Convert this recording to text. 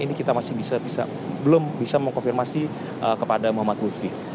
ini kita masih belum bisa mengkonfirmasi kepada momotufi